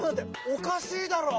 おかしいだろ！」。